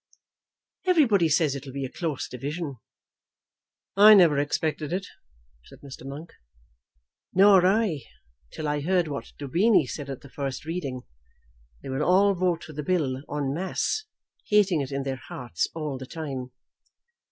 "Everybody says it will be a close division." "I never expected it," said Mr. Monk. "Nor I, till I heard what Daubeny said at the first reading. They will all vote for the bill en masse, hating it in their hearts all the time."